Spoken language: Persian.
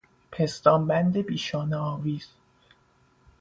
پستانبند بیشانهآویز